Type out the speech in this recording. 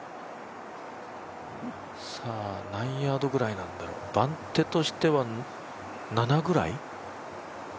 何ヤードぐらいなんだろう、番手としては７ぐらい？